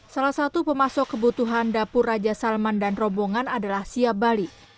salah satu pemasok kebutuhan dapur raja salman dan rombongan adalah siap bali